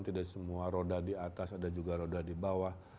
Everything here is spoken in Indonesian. tidak semua roda di atas ada juga roda di bawah